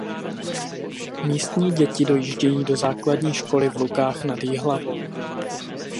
Místní děti dojíždějí do základní školy v Lukách nad Jihlavou.